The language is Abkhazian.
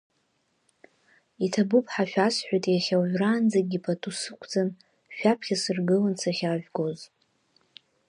Иҭабуп ҳәа шәасҳәоит иахьа уажәраанӡагьы пату сықәҵан шәаԥхьа сыргылан сахьаажәгоз.